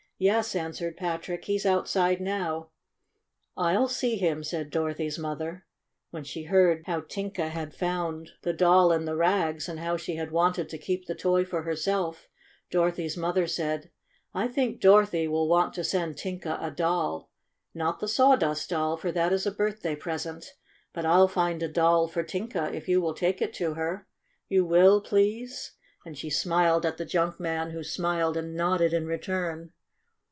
"Yes," answered Patrick. "He's out side now." "I'll see him," said Dorothy's mother. .When she heard how Tinka had found 106 STORY OF A SAWDUST DOLL the Doll in the rags, and how she had wanted to keep the toy for herself, Doro thy's mother said: "I think Dorothy will want to send Tin ka a doll. Not the Sawdust Doll, for that is a birthday present. But I'll find a doll for Tinka if you will take it to her. You will, please?" and she smiled at the junk man, who smiled and nodded in return.